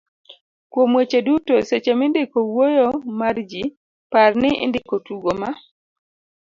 kuom weche duto, seche mindiko wuoyo mar ji, par ni indiko tugo ma